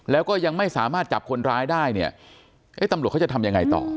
แล้วก็ยังไม่สามารถจับคนร้ายได้เนี่ยเอ๊ะตำรวจเขาจะทำยังไงต่อ